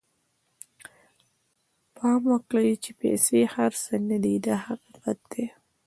پام وکړئ چې پیسې هر څه نه دي دا حقیقت دی.